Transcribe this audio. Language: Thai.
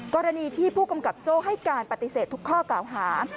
กรณีที่ผู้กำกับโจ้ให้การปฏิเสธทุกข้อกล่าวหา